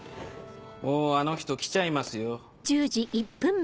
もうあの人来ちゃいますよ。